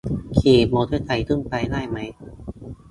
ขี่มอเตอร์ไซค์ขึ้นไปได้ไหม